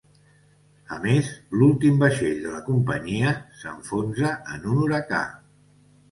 A més l'últim vaixell de la companyia, s'enfonsa en un huracà.